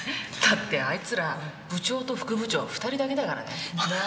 だってあいつら部長と副部長２人だけだからね。